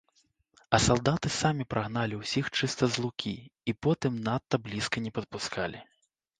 А салдаты самі прагналі ўсіх чыста з лукі і потым надта блізка не падпускалі.